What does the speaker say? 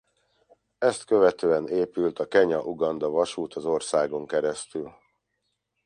Ezt követően épült a Kenya-Uganda vasút az országon keresztül.